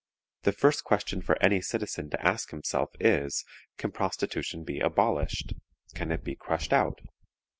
_ The first question for any citizen to ask himself is, Can prostitution be abolished; can it be crushed out?